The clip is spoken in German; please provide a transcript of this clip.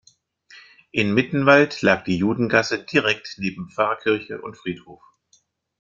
In Mittenwald lag die Judengasse direkt neben Pfarrkirche und Friedhof.